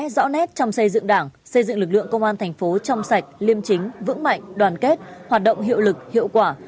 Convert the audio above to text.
rõ nét trong xây dựng đảng xây dựng lực lượng công an thành phố trong sạch liêm chính vững mạnh đoàn kết hoạt động hiệu lực hiệu quả